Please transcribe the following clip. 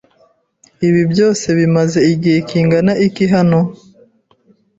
Ibi byose bimaze igihe kingana iki hano?